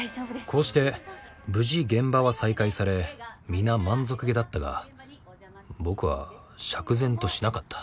こうして無事現場は再開され皆満足げだったが僕は釈然としなかった。